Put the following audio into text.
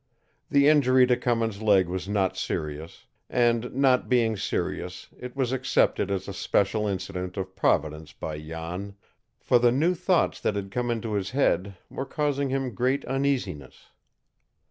The injury to Cummins' leg was not serious; and not being serious, it was accepted as a special incident of Providence by Jan, for the new thoughts that had come into his head were causing him great uneasiness.